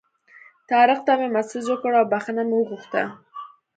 طارق ته مې مسیج وکړ او بخښنه مې وغوښته.